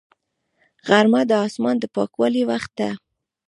غرمه د اسمان د پاکوالي وخت دی